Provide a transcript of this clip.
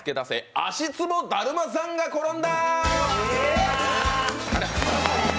足ツボだるまさんがころんだ！